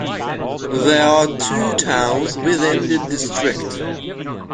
There are two towns within the district.